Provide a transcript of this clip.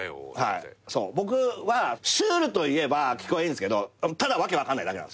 僕はシュールといえば聞こえいいんすけどただ訳分かんないだけなんすよ。